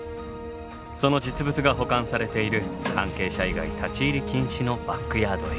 その実物が保管されている関係者以外立ち入り禁止のバックヤードへ。